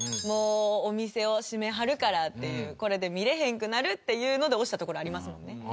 もうお店を閉めはるからっていうこれで見れへんくなるっていうので押したところありますもんね。